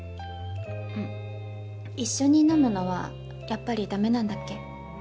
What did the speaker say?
一緒に飲むのはやっぱり駄目なんだっけ？